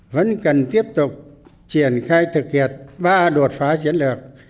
vẫn cần tiếp tục triển khai thực hiện ba đột phá chiến lược